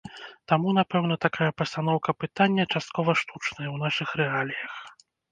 Таму, напэўна, такая пастаноўка пытання часткова штучная ў нашых рэаліях.